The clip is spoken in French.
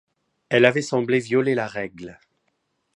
Elle avait semblé violer la règle.